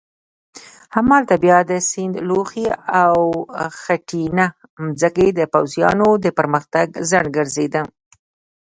همالته بیا د سیند لوخې او خټینه مځکه د پوځیانو د پرمختګ خنډ ګرځېده.